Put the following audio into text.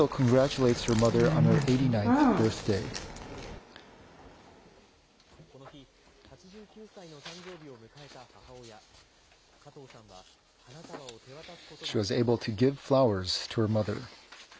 この日、８９歳の誕生日を迎えた母親。